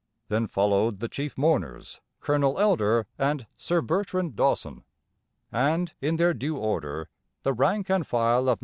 Then followed the chief mourners, Colonel Elder and Sir Bertrand Dawson; and in their due order, the rank and file of No.